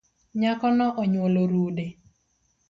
Nyako no onywolo rude